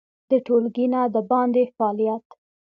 د ټولګي نه د باندې فعالیت